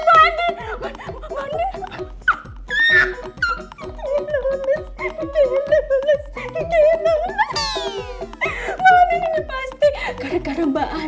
selalu ngajarin kiki makanya kita bisa